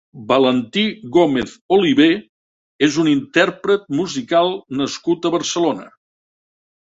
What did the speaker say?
Valentí Gómez-Oliver és un intérpret musical nascut a Barcelona.